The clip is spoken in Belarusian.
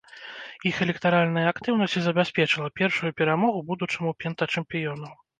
Іх электаральная актыўнасць і забяспечыла першую перамогу будучаму пентачэмпіёну.